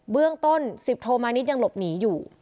เรื่องต้น๑๐โทมานิดยังหลบหนีอยู่